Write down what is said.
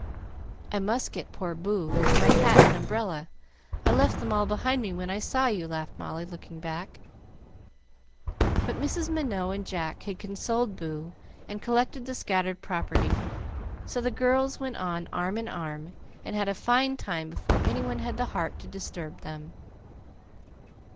"I must get poor Boo, and my hat and umbrella, I left them all behind me when I saw you," laughed Molly, looking back. But Mrs. Minot and Jack had consoled Boo and collected the scattered property, so the girls went on arm in arm, and had a fine time before any one had the heart to disturb them.